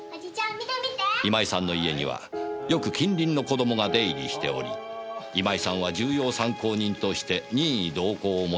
今井さんの家にはよく近隣の子どもが出入りしており今井さんは重要参考人として任意同行を求められました。